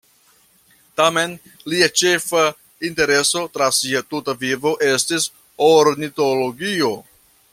Tamen, lia ĉefa intereso tra sia tuta vivo estis ornitologio.